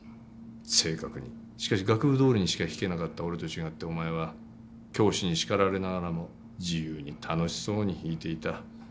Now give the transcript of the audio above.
正確にしかし楽譜どおりにしか弾けなかった俺と違ってお前は教師に叱られながらも自由に楽しそうに弾いていた。